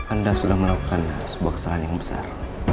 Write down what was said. anda sudah melakukan sebuah kesalahan yang besar